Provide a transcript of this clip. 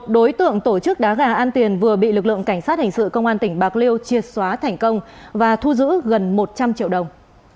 một mươi một đối tượng tổ chức đá gà an tiền vừa bị lực lượng cảnh sát hành sự công an tỉnh bạc liêu chia xóa thành công và thu giữ gần một trăm linh triệu đồng